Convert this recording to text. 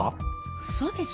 ウソでしょ？